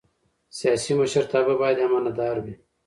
سیاسي مشرتابه باید امانتدار وي